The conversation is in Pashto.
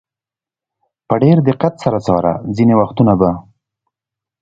په ډېر دقت سره څاره، ځینې وختونه به.